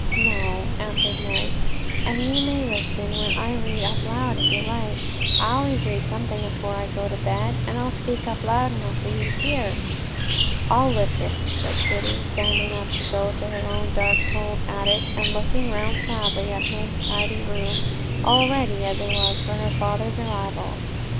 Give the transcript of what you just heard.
'No,' answered Meg; 'and you may listen when I read up loud, if you like. I always read something afore I go to bed, and I'll speak up loud enough for you to hear.' 'I'll listen,' said Kitty, standing up to go to her own dark, cold attic, and looking round sadly at Meg's tidy room, all ready as it was for her father's arrival.